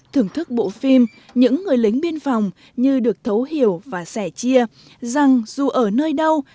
thưởng thức bộ phim những người lính biên phòng như được thấu hiểu và sẻ chia rằng dù ở nơi đâu